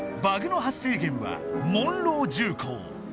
バグの発生源はモンロウ重工。